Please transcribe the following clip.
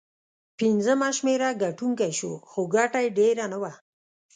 پنځمه شمېره ګټونکی شو، خو ګټه یې ډېره نه وه.